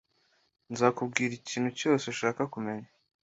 Nzakubwira ikintu cyose ushaka kumenya